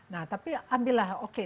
nah tapi ambillah oke